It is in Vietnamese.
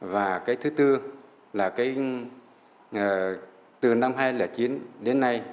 và cái thứ tư là từ năm hai nghìn chín đến nay